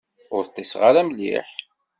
Ur ṭṭiseɣ ara mliḥ.